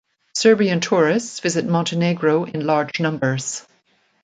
Serbian tourists visit Montenegro in large numbers.